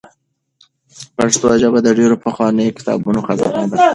پښتو ژبه د ډېرو پخوانیو کتابونو خزانه ده.